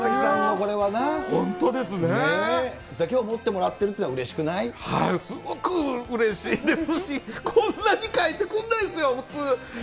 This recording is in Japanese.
そう思ってもらってるっていはい、すごくうれしいですし、こんなに書いてくんないですよ、普通。